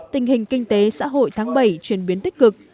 tình hình kinh tế xã hội tháng bảy chuyển biến tích cực